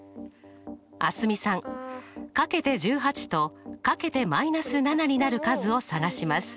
蒼澄さん掛けて１８と掛けて−７になる数を探します。